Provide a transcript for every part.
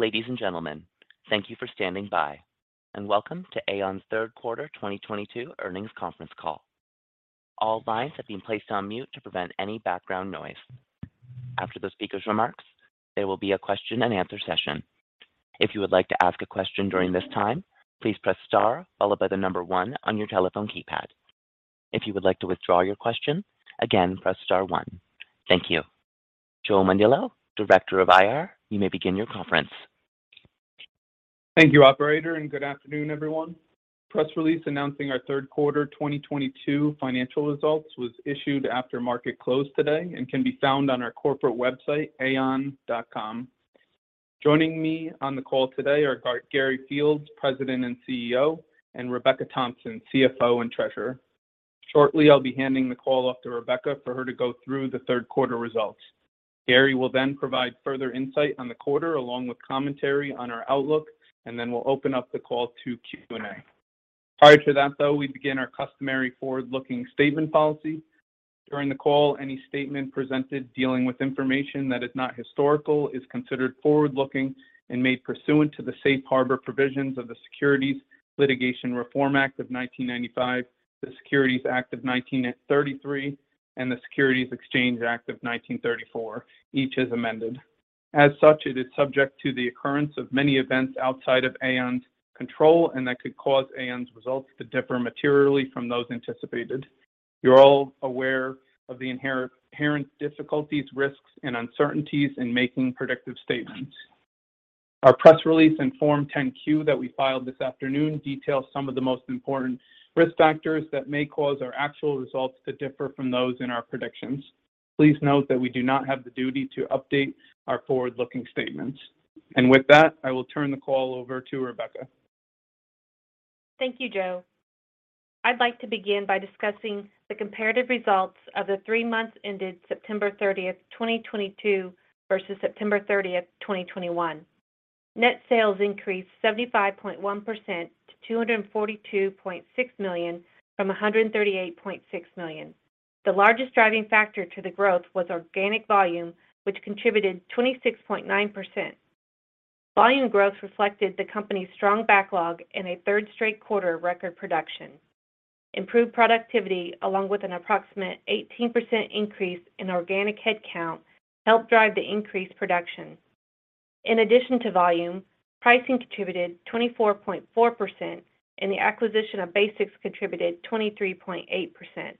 Ladies and gentlemen, thank you for standing by, and welcome to AAON's Q3 2022 earnings conference call. All lines have been placed on mute to prevent any background noise. After the speaker's remarks, there will be a question and answer session. If you would like to ask a question during this time, please press star followed by the number one on your telephone keypad. If you would like to withdraw your question, again, press star one. Thank you. Joe Mondillo, Director of IR, you may begin your conference. Thank you, operator, and good afternoon, everyone. Press release announcing our Q3 2022 financial results was issued after market close today and can be found on our corporate website, aaon.com. Joining me on the call today are Gary Fields, President and CEO, and Rebecca Thompson, CFO and Treasurer. Shortly, I'll be handing the call off to Rebecca for her to go through the Q3 results. Gary will then provide further insight on the quarter along with commentary on our outlook, and then we'll open up the call to Q&A. Prior to that, though, we begin our customary forward-looking statement policy. During the call, any statement presented dealing with information that is not historical is considered forward-looking and made pursuant to the Safe Harbor provisions of the Private Securities Litigation Reform Act of 1995, the Securities Act of 1933, and the Securities Exchange Act of 1934, each as amended. As such, it is subject to the occurrence of many events outside of AAON's control and that could cause AAON's results to differ materially from those anticipated. You're all aware of the inherent difficulties, risks, and uncertainties in making predictive statements. Our press release and Form 10-Q that we filed this afternoon details some of the most important risk factors that may cause our actual results to differ from those in our predictions. Please note that we do not have the duty to update our forward-looking statements. With that, I will turn the call over to Rebecca. Thank you, Joe. I'd like to begin by discussing the comparative results of the three months ended September 30th, 2022 versus September 30th, 2021. Net sales increased 75.1% to $242.6 million from $138.6 million. The largest driving factor to the growth was organic volume, which contributed 26.9%. Volume growth reflected the company's strong backlog and a third straight quarter record production. Improved productivity along with an approximate 18% increase in organic headcount helped drive the increased production. In addition to volume, pricing contributed 24.4%, and the acquisition of BASX contributed 23.8%.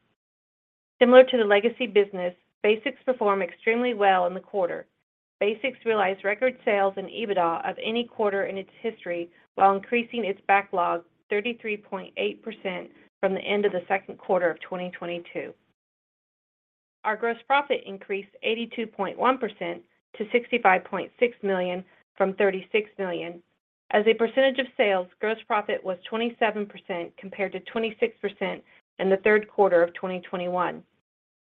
Similar to the legacy business, BASX performed extremely well in the quarter. BASX realized record sales and EBITDA of any quarter in its history while increasing its backlog 33.8% from the end of the Q2 of 2022. Our gross profit increased 82.1% to $65.6 million from $36 million. As a percentage of sales, gross profit was 27% compared to 26% in the Q3 of 2021.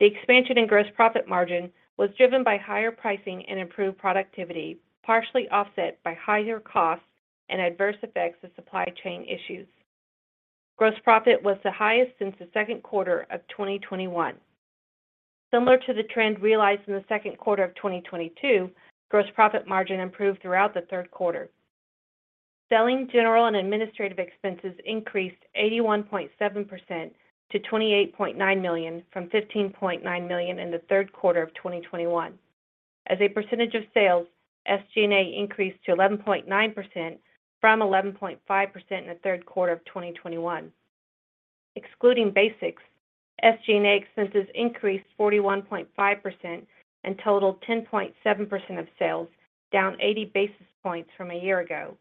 The expansion in gross profit margin was driven by higher pricing and improved productivity, partially offset by higher costs and adverse effects of supply chain issues. Gross profit was the highest since the Q2 of 2021. Similar to the trend realized in the Q2 of 2022, gross profit margin improved throughout the Q3. Selling, general, and administrative expenses increased 81.7% to $28.9 million from $15.9 million in the Q3 of 2021. As a percentage of sales, SG&A increased to 11.9% from 11.5% in the Q3 of 2021. Excluding BASX, SG&A expenses increased 41.5% and totaled 10.7% of sales, down 80 basis points from a year ago.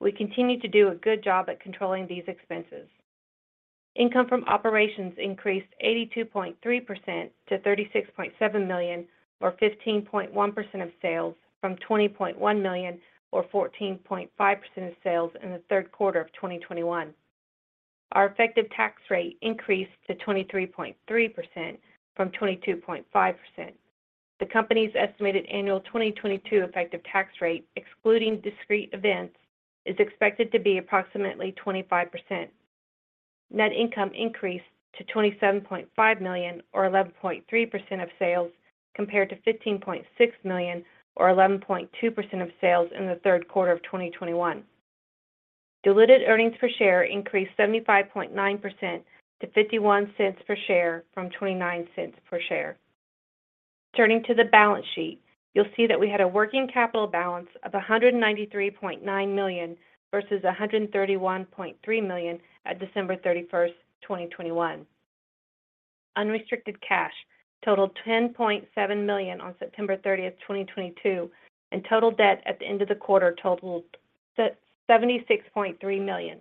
We continue to do a good job at controlling these expenses. Income from operations increased 82.3% to $36.7 million or 15.1% of sales from $20.1 million or 14.5% of sales in the Q3 of 2021. Our effective tax rate increased to 23.3% from 22.5%. The company's estimated annual 2022 effective tax rate, excluding discrete events, is expected to be approximately 25%. Net income increased to $27.5 million or 11.3% of sales compared to $15.6 million or 11.2% of sales in the Q3 of 2021. Diluted earnings per share increased 75.9% to $0.51 per share from $0.29 per share. Turning to the balance sheet, you'll see that we had a working capital balance of $193.9 million versus $131.3 million at December 31st, 2021. Unrestricted cash totaled $10.7 million on September 30th, 2022, and total debt at the end of the quarter totaled $76.3 million.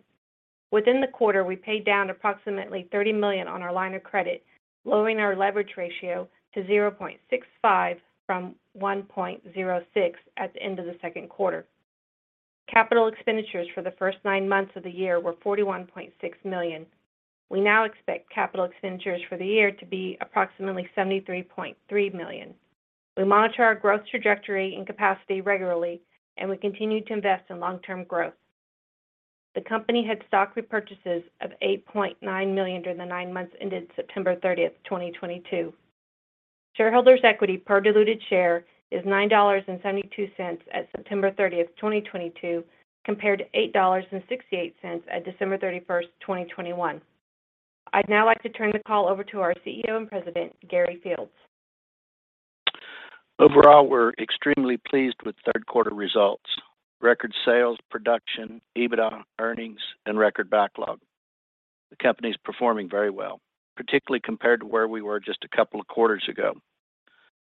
Within the quarter, we paid down approximately $30 million on our line of credit, lowering our leverage ratio to 0.65 from 1.06 at the end of the Q2. Capital expenditures for the first nine months of the year were $41.6 million. We now expect capital expenditures for the year to be approximately $73.3 million. We monitor our growth trajectory and capacity regularly, and we continue to invest in long-term growth. The company had stock repurchases of $8.9 million during the nine months ended September 30th, 2022. Shareholders' equity per diluted share is $9.72 at September 30th, 2022, compared to $8.68 at December 31st, 2021. I'd now like to turn the call over to our CEO and President, Gary Fields. Overall, we're extremely pleased with Q3 results. Record sales, production, EBITDA, earnings, and record backlog. The company is performing very well, particularly compared to where we were just a couple of quarters ago.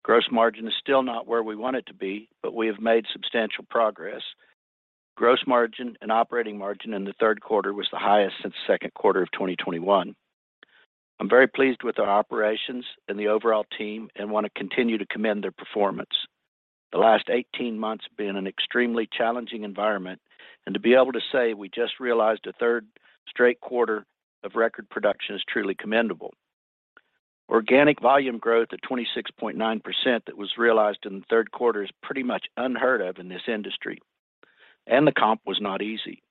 Gross margin is still not where we want it to be, but we have made substantial progress. Gross margin and operating margin in the Q3 was the highest since the Q2 of 2021. I'm very pleased with our operations and the overall team and want to continue to commend their performance. The last 18 months have been an extremely challenging environment, and to be able to say we just realized a third straight quarter of record production is truly commendable. Organic volume growth at 26.9% that was realized in the Q3 is pretty much unheard of in this industry, and the comp was not easy.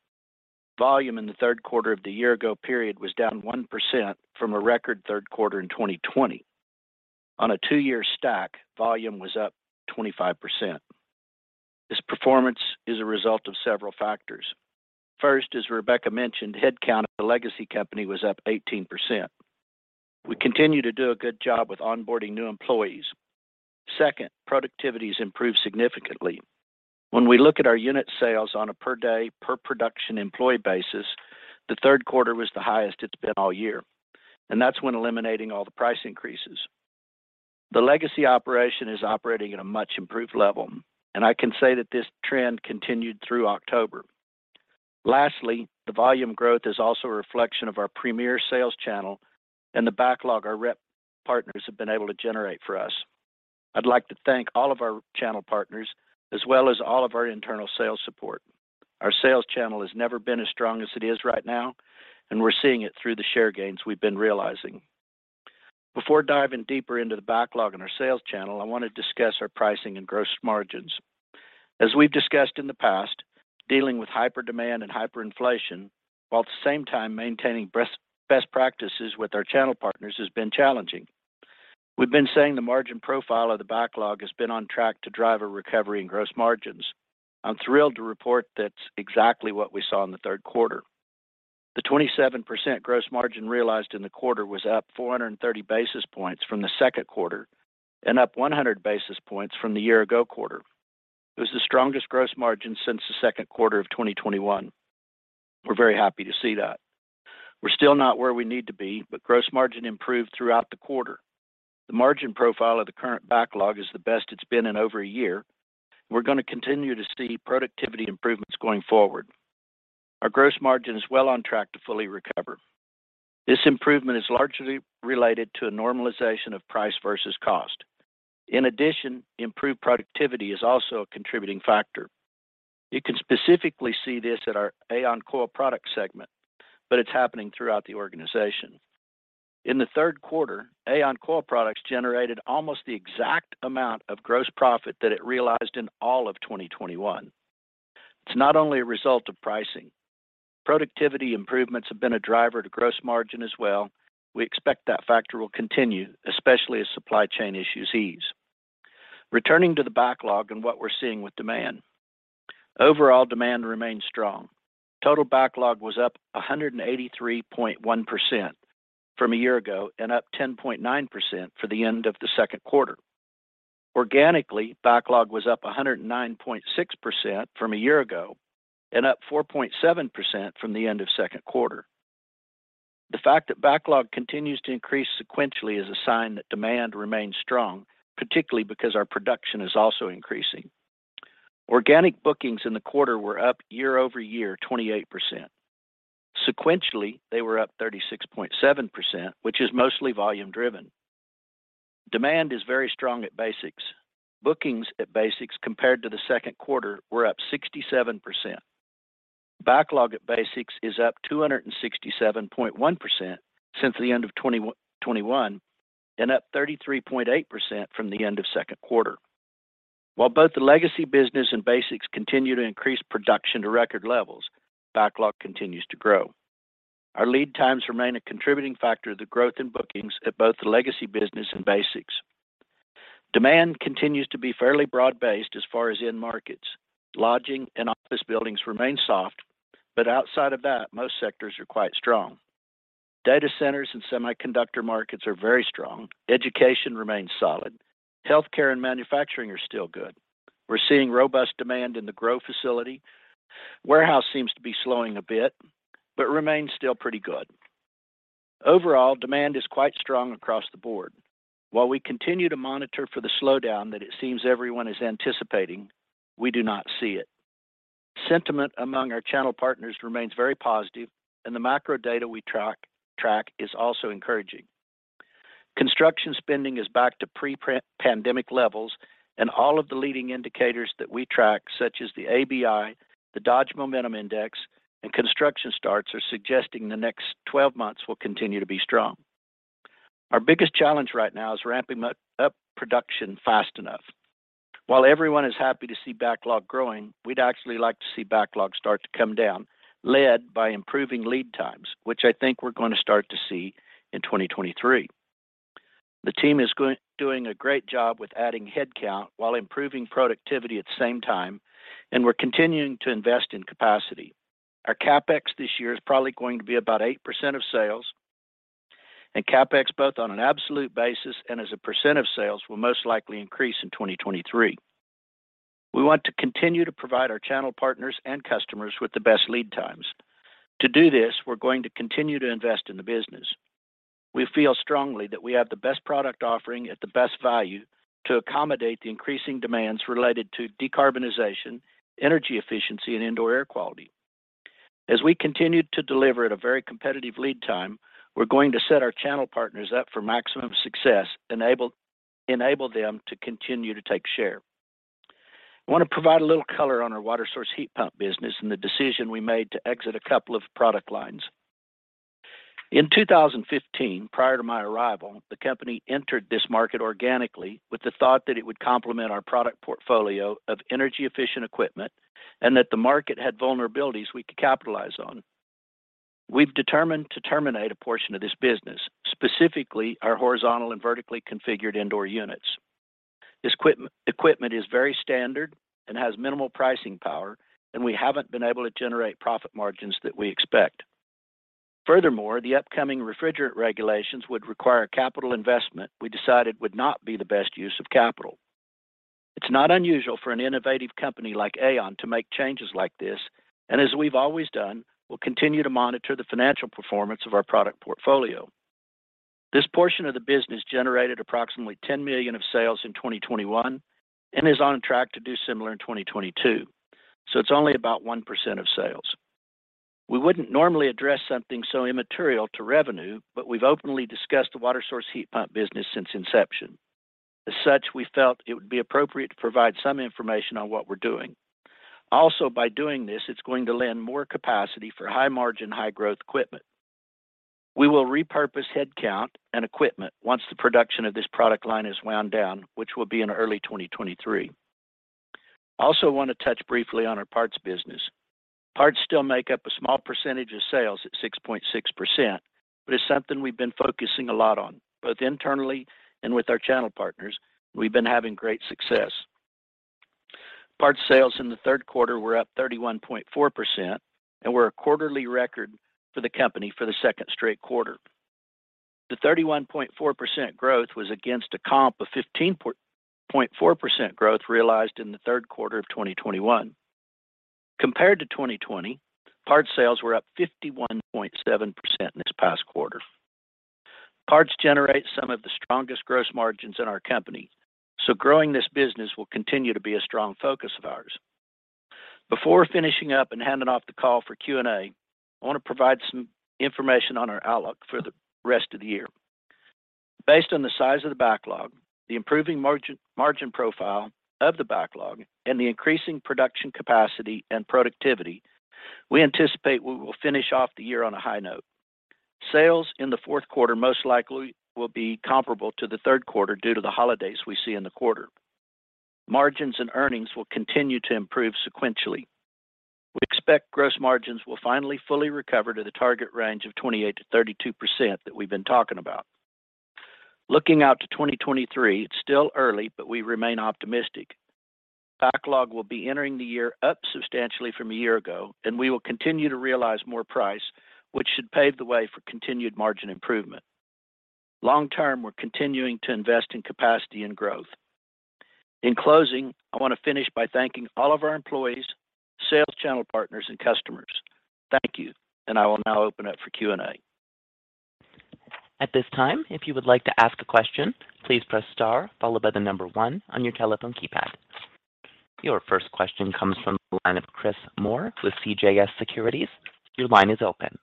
Volume in the Q3 of the year ago period was down 1% from a record Q3 in 2020. On a two-year stack, volume was up 25%. This performance is a result of several factors. First, as Rebecca mentioned, headcount at the legacy company was up 18%. We continue to do a good job with onboarding new employees. Second, productivity has improved significantly. When we look at our unit sales on a per day, per production employee basis, the Q3 was the highest it's been all year, and that's even when eliminating all the price increases. The legacy operation is operating at a much improved level, and I can say that this trend continued through October. Lastly, the volume growth is also a reflection of our premier sales channel and the backlog our rep partners have been able to generate for us. I'd like to thank all of our channel partners as well as all of our internal sales support. Our sales channel has never been as strong as it is right now, and we're seeing it through the share gains we've been realizing. Before diving deeper into the backlog in our sales channel, I want to discuss our pricing and gross margins. As we've discussed in the past, dealing with hyper demand and hyperinflation while at the same time maintaining best practices with our channel partners has been challenging. We've been saying the margin profile of the backlog has been on track to drive a recovery in gross margins. I'm thrilled to report that's exactly what we saw in the Q3. The 27% gross margin realized in the quarter was up 430 basis points from the Q2 and up 100 basis points from the year ago quarter. It was the strongest gross margin since the Q2 of 2021. We're very happy to see that. We're still not where we need to be, but gross margin improved throughout the quarter. The margin profile of the current backlog is the best it's been in over a year. We're going to continue to see productivity improvements going forward. Our gross margin is well on track to fully recover. This improvement is largely related to a normalization of price versus cost. In addition, improved productivity is also a contributing factor. You can specifically see this at our AAON Core Products segment, but it's happening throughout the organization. In the Q3, AAON Core Products generated almost the exact amount of gross profit that it realized in all of 2021. It's not only a result of pricing. Productivity improvements have been a driver to gross margin as well. We expect that factor will continue, especially as supply chain issues ease. Returning to the backlog and what we're seeing with demand. Overall demand remains strong. Total backlog was up 183.1% from a year ago and up 10.9% for the end of the Q2. Organically, backlog was up 109.6% from a year ago and up 4.7% from the end of Q2. The fact that backlog continues to increase sequentially is a sign that demand remains strong, particularly because our production is also increasing. Organic bookings in the quarter were up year over year 28%. Sequentially, they were up 36.7%, which is mostly volume driven. Demand is very strong at BASX. Bookings at BASX compared to the Q2 were up 67%. Backlog at BASX is up 267.1% since the end of 2021 and up 33.8% from the end of Q2. While both the legacy business and BASX continue to increase production to record levels, backlog continues to grow. Our lead times remain a contributing factor to the growth in bookings at both the legacy business and BASX. Demand continues to be fairly broad-based as far as end markets. Lodging and office buildings remain soft, but outside of that, most sectors are quite strong. Data centers and semiconductor markets are very strong. Education remains solid. Healthcare and manufacturing are still good. We're seeing robust demand in the grow facility. Warehouse seems to be slowing a bit, but remains still pretty good. Overall, demand is quite strong across the board. While we continue to monitor for the slowdown that it seems everyone is anticipating, we do not see it. Sentiment among our channel partners remains very positive, and the macro data we track is also encouraging. Construction spending is back to pre-pandemic levels, and all of the leading indicators that we track, such as the ABI, the Dodge Momentum Index, and construction starts, are suggesting the next 12 months will continue to be strong. Our biggest challenge right now is ramping up production fast enough. While everyone is happy to see backlog growing, we'd actually like to see backlog start to come down, led by improving lead times, which I think we're going to start to see in 2023. The team is doing a great job with adding headcount while improving productivity at the same time, and we're continuing to invest in capacity. Our CapEx this year is probably going to be about 8% of sales, and CapEx, both on an absolute basis and as a percent of sales, will most likely increase in 2023. We want to continue to provide our channel partners and customers with the best lead times. To do this, we're going to continue to invest in the business. We feel strongly that we have the best product offering at the best value to accommodate the increasing demands related to decarbonization, energy efficiency, and indoor air quality. As we continue to deliver at a very competitive lead time, we're going to set our channel partners up for maximum success, enable them to continue to take share. I want to provide a little color on our water source heat pump business and the decision we made to exit a couple of product lines. In 2015, prior to my arrival, the company entered this market organically with the thought that it would complement our product portfolio of energy-efficient equipment and that the market had vulnerabilities we could capitalize on. We've determined to terminate a portion of this business, specifically our horizontal and vertically configured indoor units. Equipment is very standard and has minimal pricing power, and we haven't been able to generate profit margins that we expect. Furthermore, the upcoming refrigerant regulations would require capital investment we decided would not be the best use of capital. It's not unusual for an innovative company like AAON to make changes like this, and as we've always done, we'll continue to monitor the financial performance of our product portfolio. This portion of the business generated approximately $10 million of sales in 2021 and is on track to do similar in 2022, so it's only about 1% of sales. We wouldn't normally address something so immaterial to revenue, but we've openly discussed the water source heat pump business since inception. As such, we felt it would be appropriate to provide some information on what we're doing. Also, by doing this, it's going to lend more capacity for high-margin, high-growth equipment. We will repurpose headcount and equipment once the production of this product line is wound down, which will be in early 2023. I also want to touch briefly on our parts business. Parts still make up a small percentage of sales at 6.6%, but it's something we've been focusing a lot on, both internally and with our channel partners. We've been having great success. Parts sales in the Q3 were up 31.4% and were a quarterly record for the company for the second straight quarter. The 31.4% growth was against a comp of 15.4% growth realized in the Q3 of 2021. Compared to 2020, parts sales were up 51.7% in this past quarter. Parts generate some of the strongest gross margins in our company, so growing this business will continue to be a strong focus of ours. Before finishing up and handing off the call for Q&A, I want to provide some information on our outlook for the rest of the year. Based on the size of the backlog, the improving margin profile of the backlog, and the increasing production capacity and productivity, we anticipate we will finish off the year on a high note. Sales in the Q4 most likely will be comparable to the Q3 due to the holidays we see in the quarter. Margins and earnings will continue to improve sequentially. We expect gross margins will finally fully recover to the target range of 28%-32% that we've been talking about. Looking out to 2023, it's still early, but we remain optimistic. Backlog will be entering the year up substantially from a year ago, and we will continue to realize more price, which should pave the way for continued margin improvement. Long term, we're continuing to invest in capacity and growth. In closing, I want to finish by thanking all of our employees, sales channel partners, and customers. Thank you, and I will now open up for Q&A. At this time, if you would like to ask a question, please press star followed by the number one on your telephone keypad. Your first question comes from the line of Chris Moore with CJS Securities. Your line is open.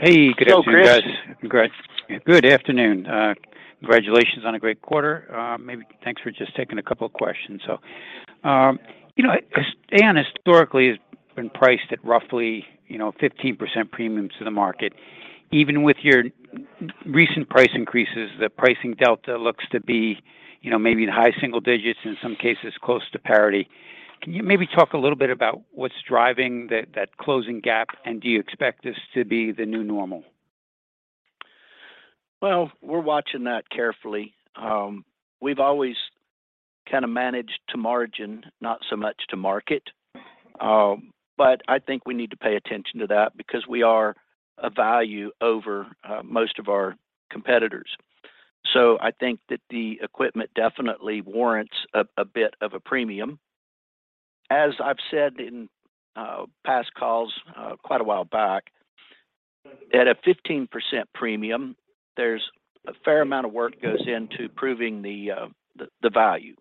Hey, good afternoon, guys. Hello, Chris. Congrats. Good afternoon. Congratulations on a great quarter. Maybe thanks for just taking a couple of questions. You know, AAON historically has been priced at roughly, you know, 15% premiums to the market. Even with your recent price increases, the pricing delta looks to be, you know, maybe in high single digits, in some cases close to parity. Can you maybe talk a little bit about what's driving that closing gap, and do you expect this to be the new normal? Well, we're watching that carefully. We've always kind of managed to margin, not so much to market. But I think we need to pay attention to that because we are a value over most of our competitors. I think that the equipment definitely warrants a bit of a premium. As I've said in past calls quite a while back, at a 15% premium, there's a fair amount of work goes into proving the value.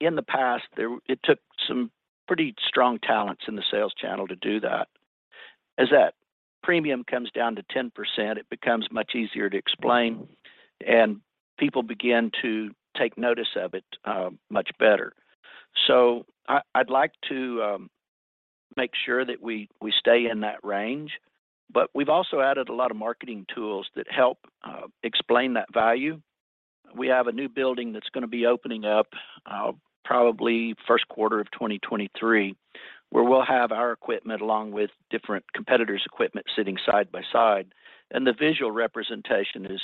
In the past, it took some pretty strong talents in the sales channel to do that. As that premium comes down to 10%, it becomes much easier to explain, and people begin to take notice of it much better. I'd like to make sure that we stay in that range. We've also added a lot of marketing tools that help explain that value. We have a new building that's gonna be opening up, probably Q1 of 2023, where we'll have our equipment along with different competitors' equipment sitting side by side, and the visual representation is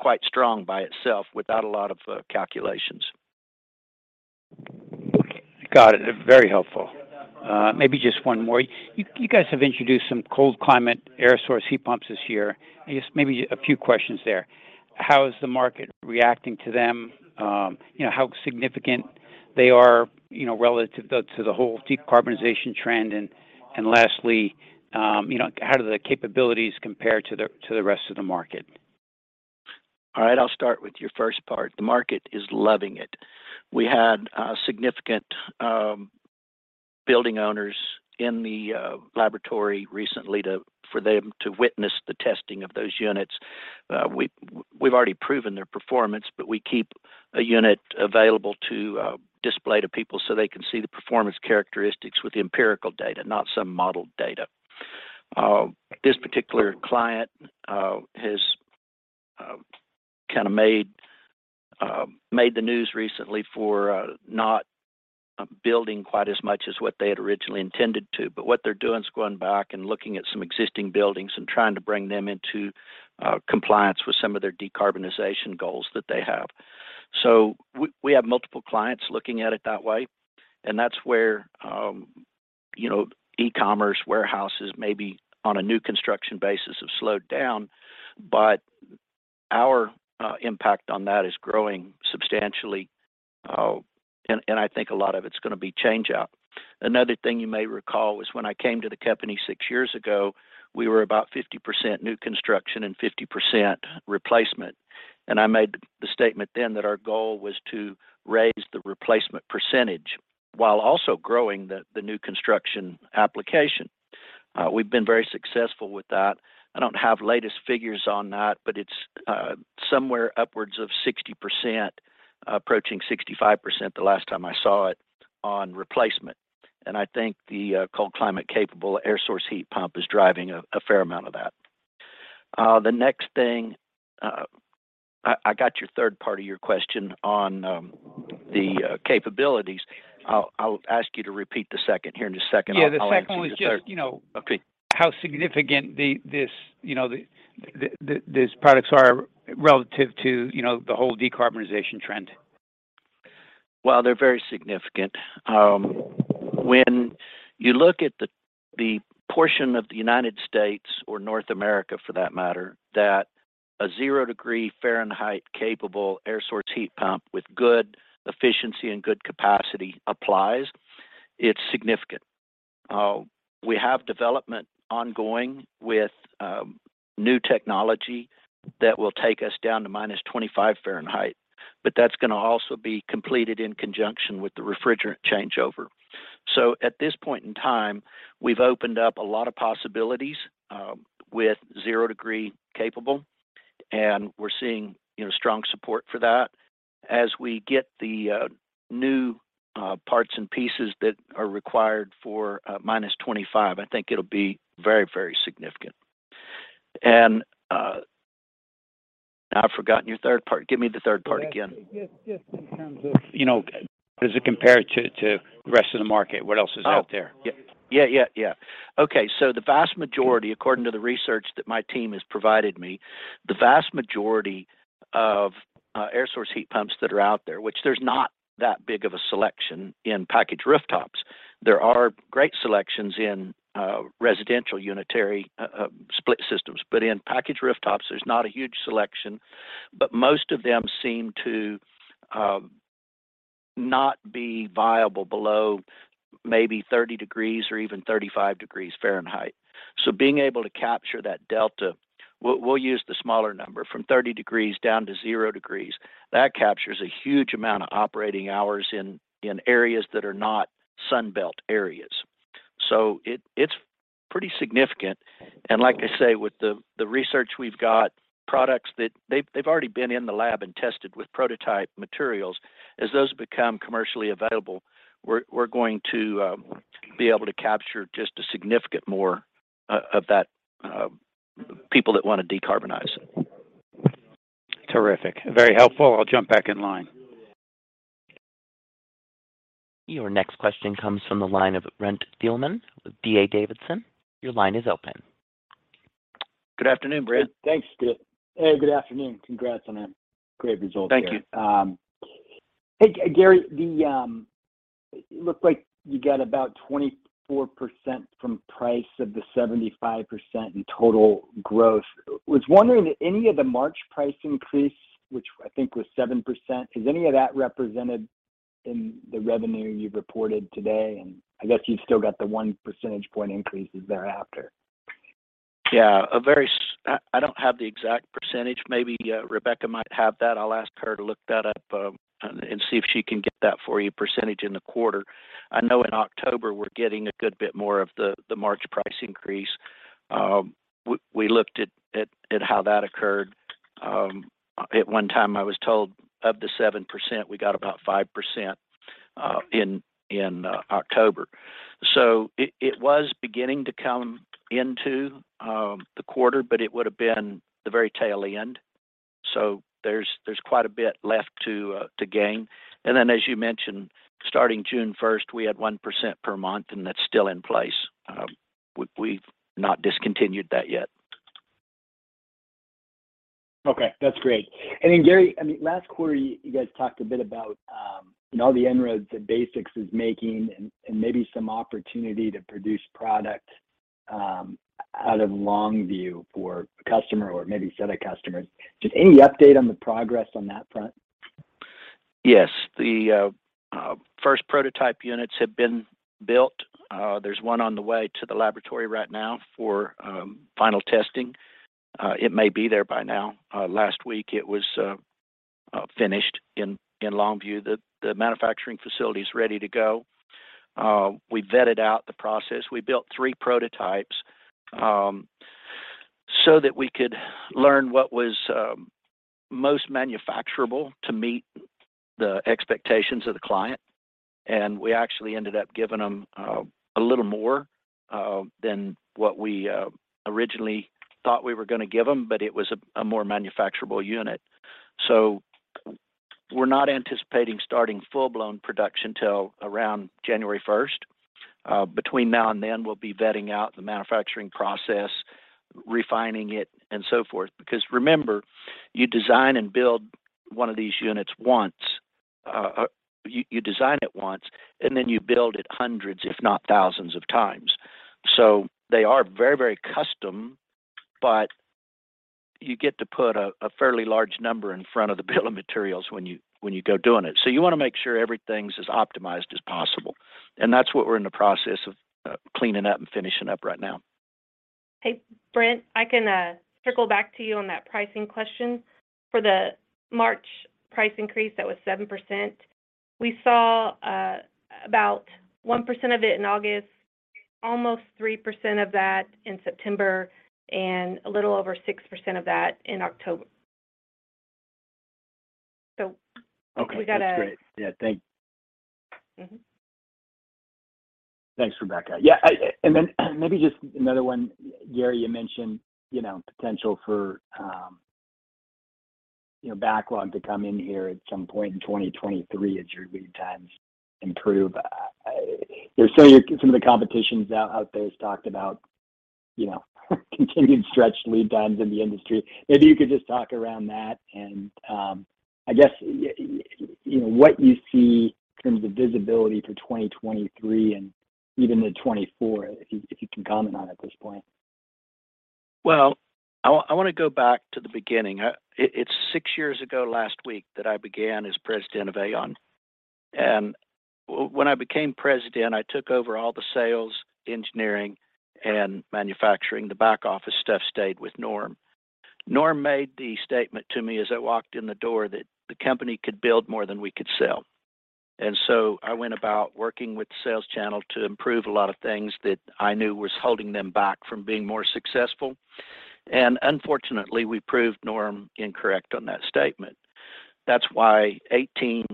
quite strong by itself without a lot of calculations. Got it. Very helpful. Maybe just one more. You guys have introduced some cold climate air source heat pumps this year. I guess maybe a few questions there. How is the market reacting to them? You know, how significant they are, you know, relative to the whole decarbonization trend? And lastly, you know, how do the capabilities compare to the rest of the market? All right, I'll start with your first part. The market is loving it. We had significant building owners in the laboratory recently for them to witness the testing of those units. We've already proven their performance, but we keep a unit available to display to people so they can see the performance characteristics with the empirical data, not some modeled data. This particular client has kind of made the news recently for not building quite as much as what they had originally intended to. What they're doing is going back and looking at some existing buildings and trying to bring them into compliance with some of their decarbonization goals that they have. We have multiple clients looking at it that way, and that's where e-commerce warehouses, maybe on a new construction basis, have slowed down. Our impact on that is growing substantially. I think a lot of it's gonna be change-out. Another thing you may recall was when I came to the company six years ago, we were about 50% new construction and 50% replacement. I made the statement then that our goal was to raise the replacement percentage while also growing the new construction application. We've been very successful with that. I don't have latest figures on that, but it's somewhere upwards of 60%, approaching 65% the last time I saw it on replacement. I think the cold climate capable air source heat pump is driving a fair amount of that. The next thing, I got your third part of your question on the capabilities. I'll ask you to repeat the second. Here in a second, I'll answer your third. Yeah. The second one was just, you know. Okay. How significant this products are relative to, you know, the whole decarbonization trend. Well, they're very significant. When you look at the portion of the United States, or North America for that matter, that a 0-degree Fahrenheit capable air source heat pump with good efficiency and good capacity applies, it's significant. We have development ongoing with new technology that will take us down to minus 25 degrees Fahrenheit, but that's gonna also be completed in conjunction with the refrigerant changeover. At this point in time, we've opened up a lot of possibilities with zero degree capable, and we're seeing, you know, strong support for that. As we get the new parts and pieces that are required for minus 25, I think it'll be very, very significant. Now I've forgotten your third part. Give me the third part again. Yeah. Just in terms of, you know, as it compared to the rest of the market, what else is out there? Yeah. The vast majority, according to the research that my team has provided me, of air source heat pumps that are out there, which there's not that big of a selection in packaged rooftops. There are great selections in residential unitary split systems. But in packaged rooftops, there's not a huge selection, but most of them seem to not be viable below maybe 30 degrees or even 35 degrees Fahrenheit. Being able to capture that delta, we'll use the smaller number, from 30 degrees down to zero degrees, that captures a huge amount of operating hours in areas that are not Sun Belt areas. It's pretty significant. Like I say, with the research we've got, products that they've already been in the lab and tested with prototype materials. As those become commercially available, we're going to be able to capture just significantly more of those people that wanna decarbonize. Terrific. Very helpful. I'll jump back in line. Your next question comes from the line of Brent Thielman with D.A. Davidson. Your line is open. Good afternoon, Brent. Thanks, Steve. Hey, good afternoon. Congrats on a great result there. Thank you. Hey, Gary, it looked like you got about 24% from price of the 75% in total growth. Was wondering if any of the March price increase, which I think was 7%, is any of that represented in the revenue you've reported today? I guess you've still got the one percentage point increases thereafter. Yeah. I don't have the exact percentage. Maybe Rebecca might have that. I'll ask her to look that up, and see if she can get that for you, percentage in the quarter. I know in October we're getting a good bit more of the March price increase. We looked at how that occurred. At one time I was told of the 7%, we got about 5% in October. So it was beginning to come into the quarter, but it would've been the very tail end. So there's quite a bit left to gain. Then, as you mentioned, starting 1st June, we had 1% per month, and that's still in place. We've not discontinued that yet. Okay. That's great. Then Gary, I mean, last quarter you guys talked a bit about, you know, the inroads that BASX is making and maybe some opportunity to produce product out of Longview for a customer or maybe set of customers. Just any update on the progress on that front? Yes. The first prototype units have been built. There's one on the way to the laboratory right now for final testing. It may be there by now. Last week it was finished in Longview. The manufacturing facility's ready to go. We vetted out the process. We built three prototypes so that we could learn what was most manufacturable to meet the expectations of the client. We actually ended up giving them a little more than what we originally thought we were gonna give them, but it was a more manufacturable unit. We're not anticipating starting full-blown production till around 1st January. Between now and then we'll be vetting out the manufacturing process, refining it, and so forth. Because remember, you design and build one of these units once. You design it once, and then you build it hundreds if not thousands of times. They are very, very custom, but you get to put a fairly large number in front of the bill of materials when you go doing it. You wanna make sure everything's as optimized as possible, and that's what we're in the process of cleaning up and finishing up right now. Hey, Brent, I can circle back to you on that pricing question. For the March price increase, that was 7%. We saw about 1% of it in August, almost 3% of that in September, and a little over 6% of that in October. Okay. That's great. We got a- Yeah, thank you. Mm-hmm. Thanks, Rebecca Thompson. Yeah, maybe just another one. Gary Fields, you mentioned, you know, potential for, you know, backlog to come in here at some point in 2023 as your lead times improve. There's some of your, some of the competition's out there has talked about, you know, continued stretched lead times in the industry. Maybe you could just talk around that and, I guess, you know, what you see in terms of visibility for 2023 and even into 2024, if you can comment on at this point. Well, I wanna go back to the beginning. It's six years ago last week that I began as president of AAON. When I became president, I took over all the sales, engineering, and manufacturing. The back office stuff stayed with Norm. Norm made the statement to me as I walked in the door that the company could build more than we could sell. I went about working with the sales channel to improve a lot of things that I knew was holding them back from being more successful. Unfortunately, we proved Norm incorrect on that statement. That's why 2018,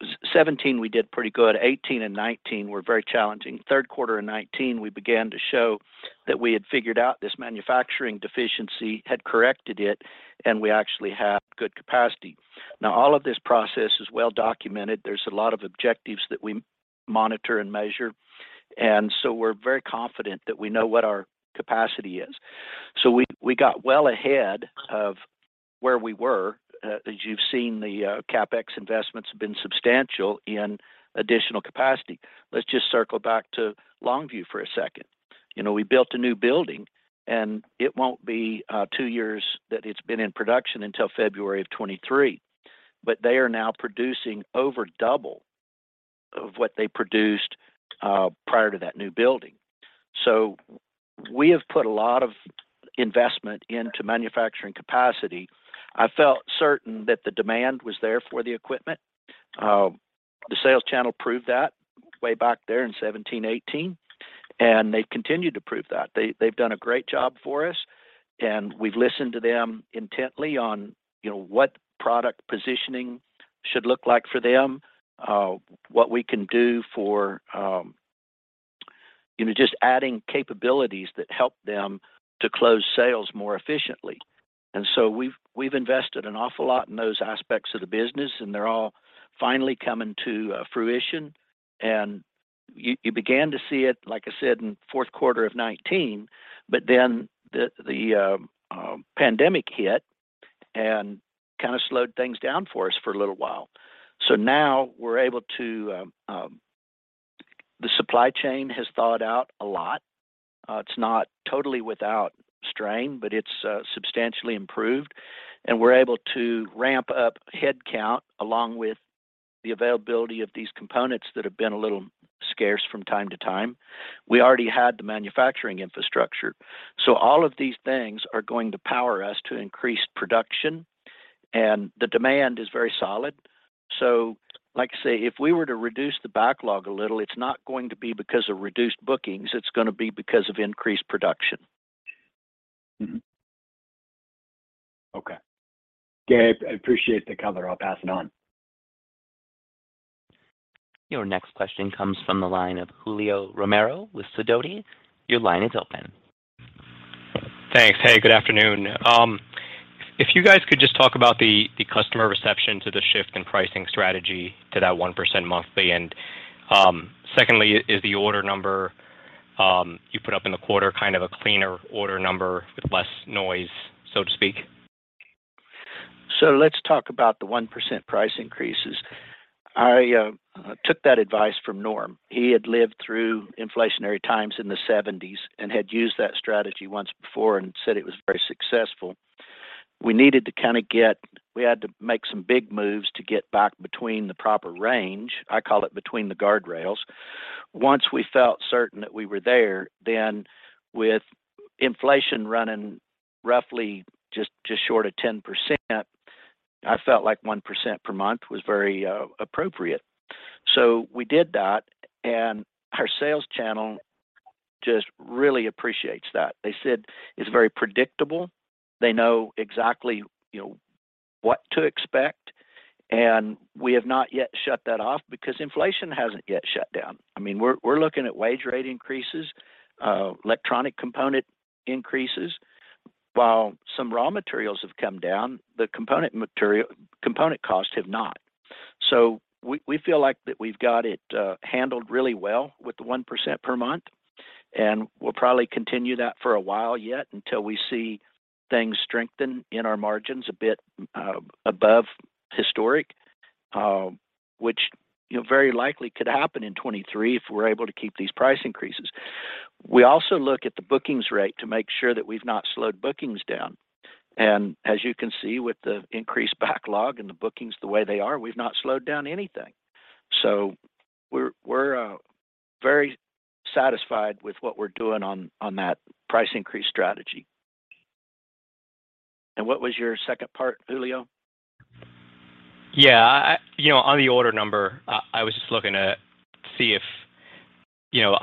2017 we did pretty good. 2018 and 2019 were very challenging. Q3 in 2019 we began to show that we had figured out this manufacturing deficiency, had corrected it, and we actually had good capacity. Now, all of this process is well documented. There's a lot of objectives that we monitor and measure, and so we're very confident that we know what our capacity is. We got well ahead of where we were. As you've seen, the CapEx investments have been substantial in additional capacity. Let's just circle back to Longview for a second. You know, we built a new building, and it won't be two years that it's been in production until February of 2023. But they are now producing over double of what they produced prior to that new building. We have put a lot of investment into manufacturing capacity. I felt certain that the demand was there for the equipment. The sales channel proved that way back there in 2017, 2018, and they've continued to prove that. They've done a great job for us, and we've listened to them intently on, you know, what product positioning should look like for them, what we can do for, you know, just adding capabilities that help them to close sales more efficiently. We've invested an awful lot in those aspects of the business, and they're all finally coming to fruition. You began to see it, like I said, in Q4 of 2019, but then the pandemic hit and kind of slowed things down for us for a little while. Now we're able to. The supply chain has thawed out a lot. It's not totally without strain, but it's substantially improved, and we're able to ramp up headcount along with the availability of these components that have been a little scarce from time to time. We already had the manufacturing infrastructure. All of these things are going to power us to increase production. The demand is very solid. Like I say, if we were to reduce the backlog a little, it's not going to be because of reduced bookings, it's gonna be because of increased production. Okay. Gary, I appreciate the color. I'll pass it on. Your next question comes from the line of Julio Romero with Sidoti. Your line is open. Thanks. Hey, good afternoon. If you guys could just talk about the customer reception to the shift in pricing strategy to that 1% monthly. Secondly, is the order number you put up in the quarter kind of a cleaner order number with less noise, so to speak? Let's talk about the 1% price increases. I took that advice from Norm. He had lived through inflationary times in the 70s and had used that strategy once before and said it was very successful. We needed to kind of get. We had to make some big moves to get back between the proper range. I call it between the guardrails. Once we felt certain that we were there, then with inflation running roughly just short of 10%, I felt like 1% per month was very appropriate. We did that, and our sales channel just really appreciates that. They said it's very predictable. They know exactly, you know, what to expect, and we have not yet shut that off because inflation hasn't yet shut down. I mean, we're looking at wage rate increases, electronic component increases. While some raw materials have come down, the component material, component costs have not. We feel like that we've got it handled really well with the 1% per month, and we'll probably continue that for a while yet until we see things strengthen in our margins a bit above historic, which, you know, very likely could happen in 2023 if we're able to keep these price increases. We also look at the bookings rate to make sure that we've not slowed bookings down. As you can see with the increased backlog and the bookings the way they are, we've not slowed down anything. We're very satisfied with what we're doing on that price increase strategy. What was your second part, Julio? Yeah. You know, on the order number, I was just looking to see if, you know,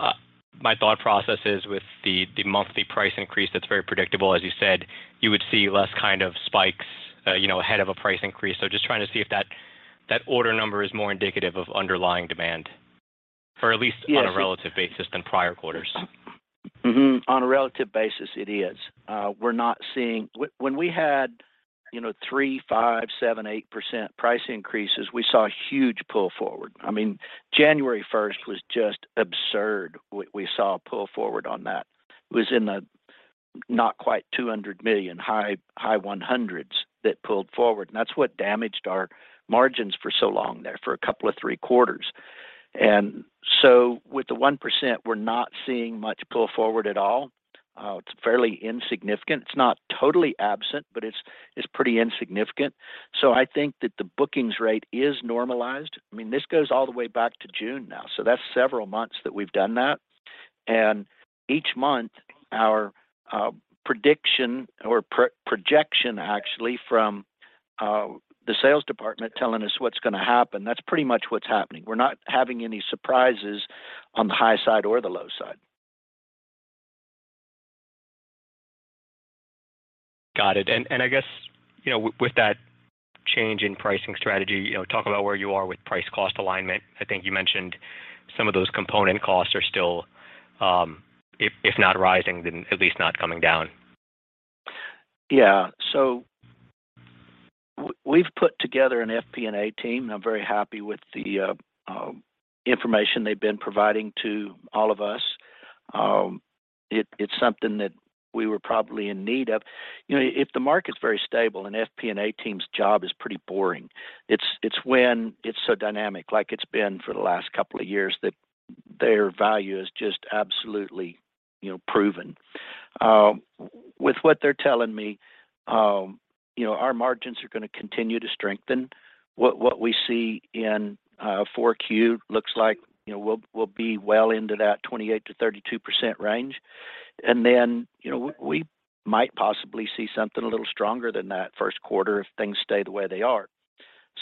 my thought process is with the monthly price increase that's very predictable, as you said, you would see less kind of spikes, you know, ahead of a price increase. Just trying to see if that order number is more indicative of underlying demand. Yes. At least on a relative basis than prior quarters. On a relative basis, it is. We're not seeing. When we had, you know, 3%, 5%, 7%, 8% price increases, we saw a huge pull forward. I mean, 1st January, was just absurd we saw a pull forward on that. It was in the not quite $200 million, high 100s that pulled forward, and that's what damaged our margins for so long there for a couple of three quarters. With the 1%, we're not seeing much pull forward at all. It's fairly insignificant. It's not totally absent, but it's pretty insignificant. I think that the bookings rate is normalized. I mean, this goes all the way back to June now, so that's several months that we've done that. Each month, our prediction or projection actually from the sales department telling us what's gonna happen, that's pretty much what's happening. We're not having any surprises on the high side or the low side. Got it. I guess, you know, with that change in pricing strategy, you know, talk about where you are with price cost alignment. I think you mentioned some of those component costs are still, if not rising, then at least not coming down. Yeah. We've put together an FP&A team. I'm very happy with the information they've been providing to all of us. It's something that we were probably in need of. You know, if the market's very stable, an FP&A team's job is pretty boring. It's when it's so dynamic like it's been for the last couple of years that their value is just absolutely, you know, proven. With what they're telling me, you know, our margins are gonna continue to strengthen. What we see in Q4 looks like, you know, we'll be well into that 28%-32% range. You know, we might possibly see something a little stronger than that Q1 if things stay the way they are.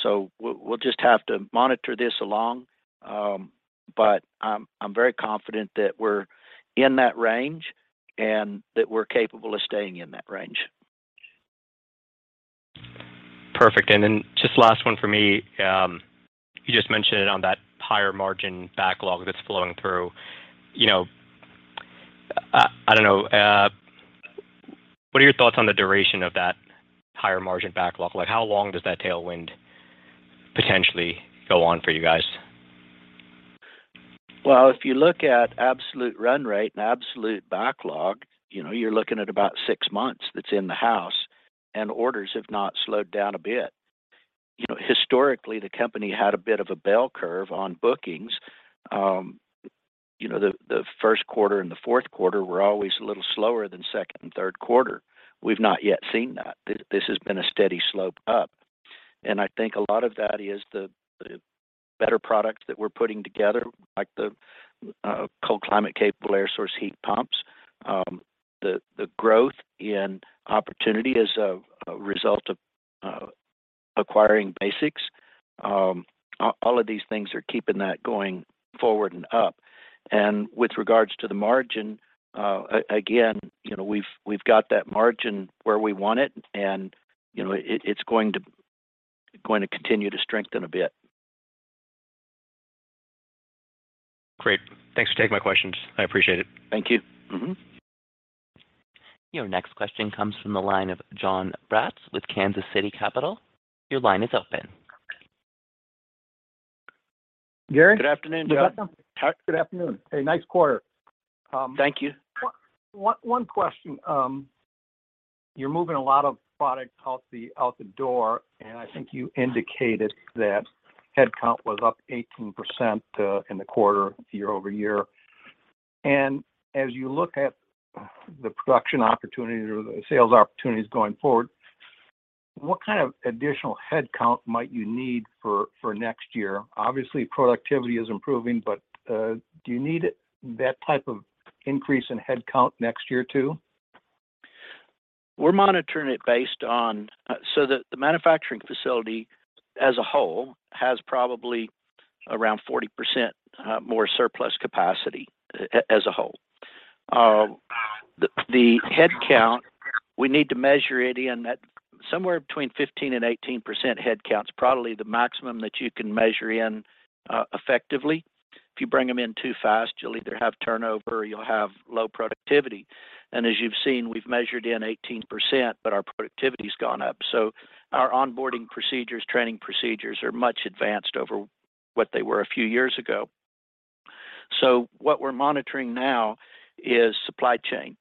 We'll just have to monitor this along, but I'm very confident that we're in that range and that we're capable of staying in that range. Perfect. Just last one for me. You just mentioned it on that higher margin backlog that's flowing through. You know, I don't know. What are your thoughts on the duration of that higher margin backlog? Like, how long does that tailwind potentially go on for you guys? Well, if you look at absolute run rate and absolute backlog, you know, you're looking at about six months that's in the house, and orders have not slowed down a bit. You know, historically, the company had a bit of a bell curve on bookings. You know, the Q1 and the Q4 were always a little slower than second and Q3. We've not yet seen that. This has been a steady slope up. I think a lot of that is the better products that we're putting together, like the cold climate capable air source heat pumps. The growth in opportunity as a result of acquiring BASX, all of these things are keeping that going forward and up. With regards to the margin, again, you know, we've got that margin where we want it, and, you know, it's going to continue to strengthen a bit. Great. Thanks for taking my questions. I appreciate it. Thank you. Mm-hmm. Your next question comes from the line of Jon Braatz with Kansas City Capital Associates. Your line is open. Gary. Good afternoon, Jon. Hi, good afternoon. Hey, nice quarter. Thank you. One question. You're moving a lot of products out the door, and I think you indicated that headcount was up 18% in the quarter year-over-year. As you look at the production opportunities or the sales opportunities going forward, what kind of additional headcount might you need for next year? Obviously, productivity is improving, but do you need that type of increase in headcount next year, too? We're monitoring it based on the manufacturing facility as a whole has probably around 40% more surplus capacity as a whole. The headcount, we need to measure it in at somewhere between 15% and 18% headcount's probably the maximum that you can measure in effectively. If you bring them in too fast, you'll either have turnover or you'll have low productivity. As you've seen, we've measured in 18%, but our productivity's gone up. Our onboarding procedures, training procedures are much advanced over what they were a few years ago. What we're monitoring now is supply chain.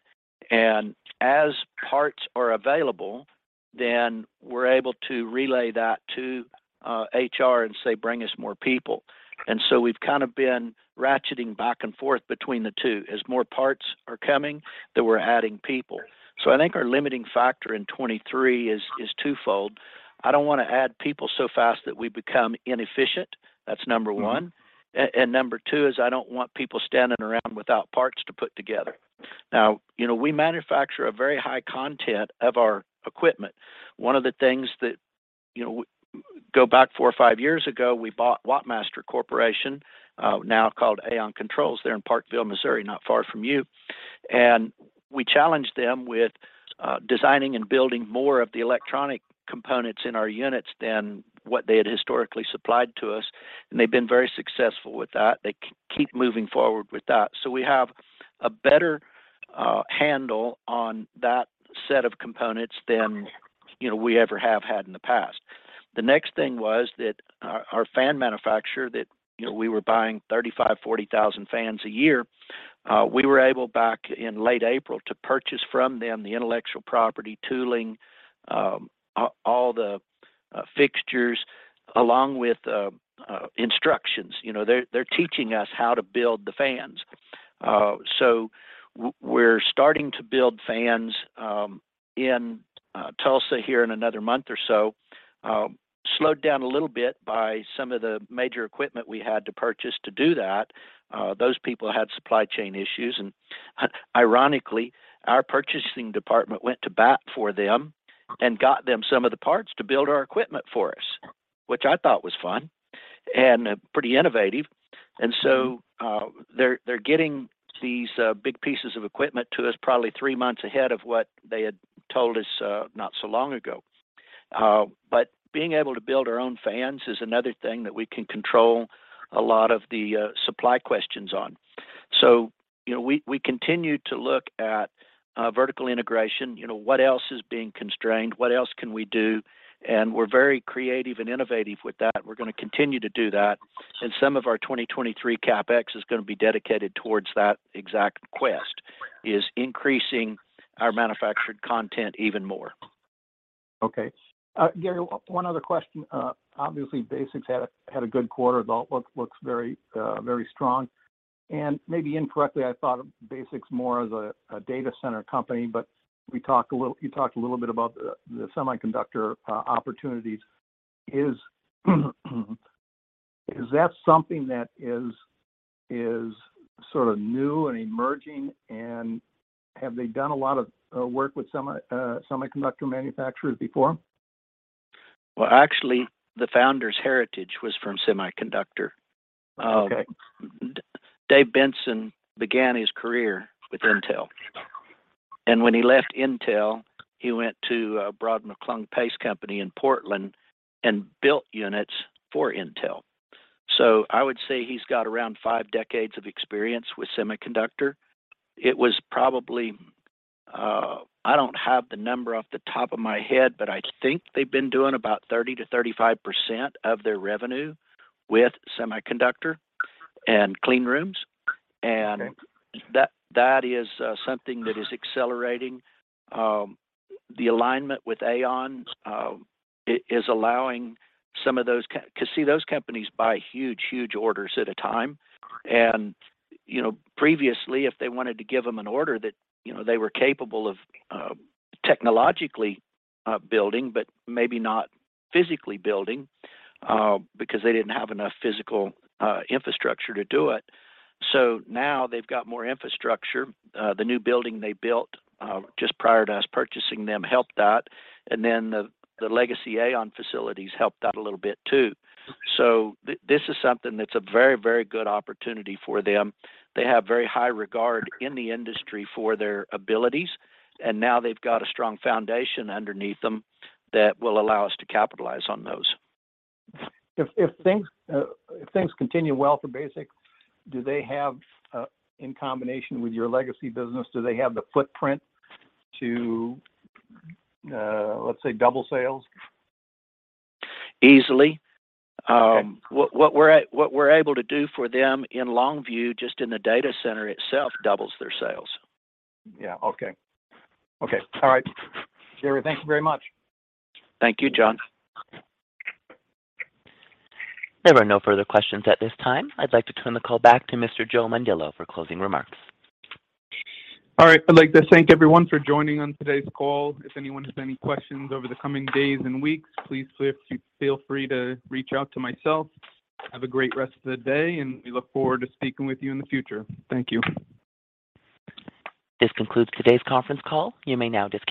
As parts are available, then we're able to relay that to HR and say, bring us more people. We've kind of been ratcheting back and forth between the two. As more parts are coming, then we're adding people. I think our limiting factor in 2023 is twofold. I don't wanna add people so fast that we become inefficient. That's number one. Mm-hmm. Number two is I don't want people standing around without parts to put together. Now, you know, we manufacture a very high content of our equipment. One of the things that, you know, go back four or five years ago, we bought WattMaster Corporation, now called AAON Controls. They're in Parkville, Missouri, not far from you. We challenged them with designing and building more of the electronic components in our units than what they had historically supplied to us, and they've been very successful with that. They keep moving forward with that. We have a better handle on that set of components than, you know, we ever have had in the past. The next thing was that our fan manufacturer that, you know, we were buying 35000-40,000 fans a year, we were able back in late April to purchase from them the intellectual property tooling, all the fixtures, along with instructions. You know, they're teaching us how to build the fans. We're starting to build fans in Tulsa here in another month or so. Slowed down a little bit by some of the major equipment we had to purchase to do that. Those people had supply chain issues, and ironically, our purchasing department went to bat for them and got them some of the parts to build our equipment for us, which I thought was fun and pretty innovative. They're getting these big pieces of equipment to us probably three months ahead of what they had told us not so long ago. Being able to build our own fans is another thing that we can control a lot of the supply questions on. You know, we continue to look at vertical integration. You know, what else is being constrained? What else can we do? We're very creative and innovative with that. We're gonna continue to do that, and some of our 2023 CapEx is gonna be dedicated towards that exact quest, is increasing our manufactured content even more. Okay. Gary, one other question. Obviously BASX had a good quarter. The outlook looks very, very strong. Maybe incorrectly, I thought of BASX more as a data center company, but we talked a little, you talked a little bit about the semiconductor opportunities. Is that something that is sort of new and emerging, and have they done a lot of work with semiconductor manufacturers before? Well, actually, the founder's heritage was from semiconductor. Okay Dave Benson began his career with Intel. When he left Intel, he went to Brod & McClung PACE Company in Portland and built units for Intel. I would say he's got around five decades of experience with semiconductor. It was probably I don't have the number off the top of my head, but I think they've been doing about 30%-35% of their revenue with semiconductor and clean rooms. Okay. That is something that is accelerating. The alignment with AAON, it is allowing some of those companies, because those companies buy huge orders at a time. You know, previously, if they wanted to give them an order that, you know, they were capable of technologically building, but maybe not physically building, because they didn't have enough physical infrastructure to do it. Now they've got more infrastructure. The new building they built just prior to us purchasing them helped that. The legacy AAON facilities helped out a little bit too. This is something that's a very good opportunity for them. They have very high regard in the industry for their abilities, and now they've got a strong foundation underneath them that will allow us to capitalize on those. If things continue well for BASX, do they have, in combination with your legacy business, the footprint to, let's say, double sales? Easily. Okay What we're able to do for them in long view, just in the data center itself, doubles their sales. Yeah, okay. Okay, all right. Gary, thank you very much. Thank you, Jon. There are no further questions at this time. I'd like to turn the call back to Mr. Joe Mondillo for closing remarks. All right. I'd like to thank everyone for joining on today's call. If anyone has any questions over the coming days and weeks, please feel free to reach out to myself. Have a great rest of the day, and we look forward to speaking with you in the future. Thank you. This concludes today's conference call. You may now disconnect.